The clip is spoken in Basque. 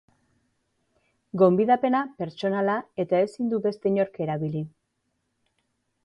Gonbidapena pertsonala eta ezin du beste inork erabili.